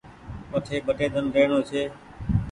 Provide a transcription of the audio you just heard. وٺي ٻٽي ۮن رهڻو ڇي